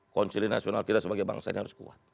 konsili nasional kita sebagai bangsa ini harus kuat